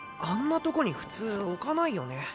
あんなとこに普通置かないよね。